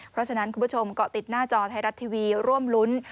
เพราะฉะนั้นคุณผู้ชมเกาะติดหน้าจอไทยรัฐทีวีร่วมลุ้น